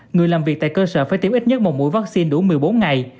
người làm việc tại cơ sở phải tiêm ít nhất một mũi vaccine đủ một mươi bốn ngày